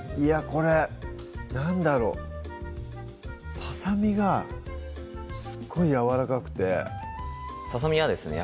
これ何だろうささみがすごいやわらかくてささみはですね